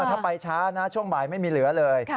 ถ้าไปช้านะช่วงบ่ายไม่มีเหลือเลย